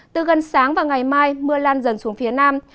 từ gần sáng và ngày mai mưa lan dần xuống phía nam